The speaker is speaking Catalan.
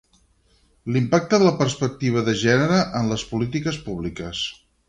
L'impacte de la perspectiva de gènere en les polítiques públiques.